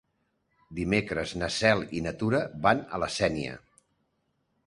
Dimecres na Cel i na Tura van a la Sénia.